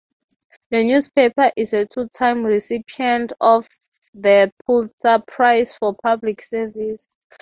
The newspaper is a two-time recipient of the Pulitzer Prize for Public Service.